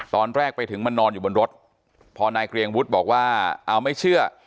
ตอนแรกไปถึงมันนอนอยู่บนรถพอนายเกรียงวุฒิบอกว่าเอาไม่เชื่อ